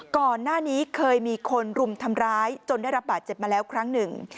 ก่อนหน้านี้เคยมีคนรุมทำร้ายจนได้รับบาดเจ็บมาแล้วครั้งหนึ่ง